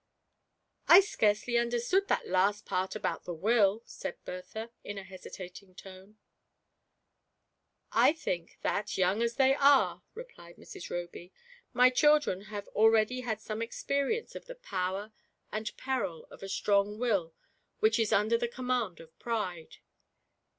"I scarcely imderstood that last part about the Will," said Bertha, in a hesitating tone. "I think that, young as they are," replied Mrs. Roby, " my children have already had some experience of the power and peril of a strong will which is under the command of Pride.